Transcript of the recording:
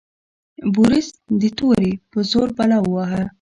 بوریس د تورې په زور بلا وواهه.